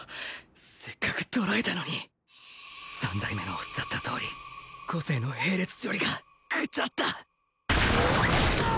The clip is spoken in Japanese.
折角捕らえたのに三代目のおっしゃった通り個性の並列処理がグチャった！